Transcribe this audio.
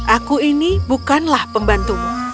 aku ini bukanlah pembantumu